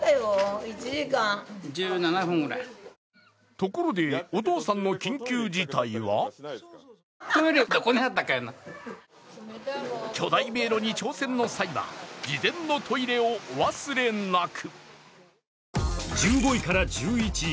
ところで、お父さんの緊急事態は巨大迷路に挑戦の際は事前のトイレをお忘れなく。